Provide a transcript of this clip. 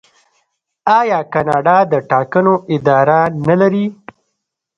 آیا کاناډا د ټاکنو اداره نلري؟